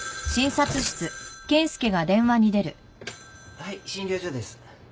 ・☎☎はい診療所です。